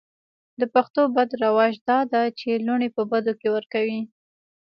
د پښتو بد رواج دا ده چې لوڼې په بدو کې ور کوي.